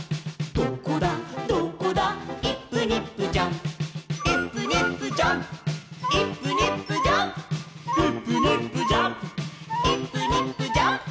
「どこだどこだイップニップジャンプ」「イップニップジャンプイップニップジャンプ」「イップニップジャンプイップニップジャンプ」